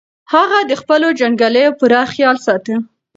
هغه د خپلو جنګیالیو پوره خیال ساته.